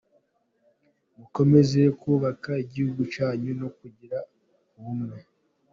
Mukomeze kubaka igihugu cyanyu no kugira ubumwe.